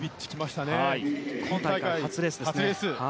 今大会初レースです。